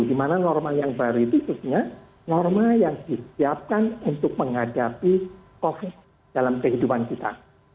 di mana norma yang baru itu khususnya norma yang disiapkan untuk menghadapi covid dalam kehidupan kita